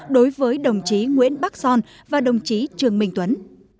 đối với đồng chí nguyễn bắc son và đồng chí trường minh tuấn